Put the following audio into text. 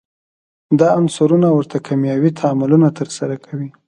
دا عنصرونه ورته کیمیاوي تعاملونه ترسره کوي.